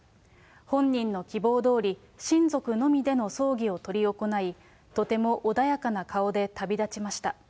本人の希望どおり、親族のみでの葬儀を執り行い、とても穏やかな顔で旅立ちました。